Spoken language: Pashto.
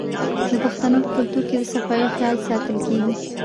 د پښتنو په کلتور کې د صفايي خیال ساتل کیږي.